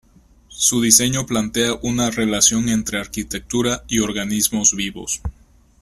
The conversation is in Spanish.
Su diseño plantea una relación entre arquitectura y organismos vivos.